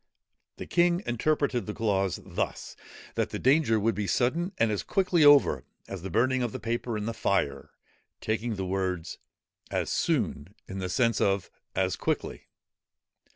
The king interpreted the clause thus, that the danger would be sudden and as quickly over as the burning of the paper in the fire, taking the words as soon in the sense of as quickly.